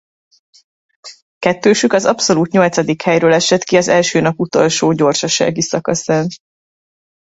Kettősük az abszolút nyolcadik helyről esett ki az első nap utolsó gyorsasági szakaszán.